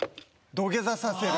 土下座させる。